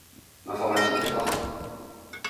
L'informatique est partout.